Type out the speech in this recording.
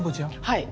はい。